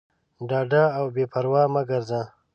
ډاډه او بېپروا مه ګرځه.